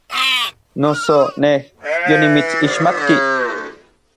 Noso nej yonimitsixmatki.